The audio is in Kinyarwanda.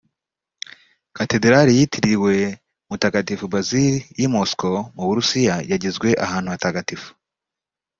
Cathedral yitiriwe mutagatifu Basil y’I Moscow mu burusiya yagizwe ahantu hatagatifu